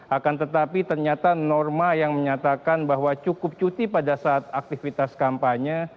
akan tetapi ternyata norma yang menyatakan bahwa cukup cuti pada saat aktivitas kampanye